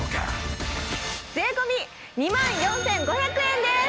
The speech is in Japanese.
税込２万４５００円です！